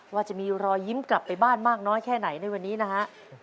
ว่าจะมีรอยยิ้มกลับไปบ้านมากน้อยแค่ไหนในวันนี้นะฮะ